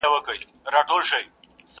نور به د پېغلوټو د لونګ خبري نه کوو.!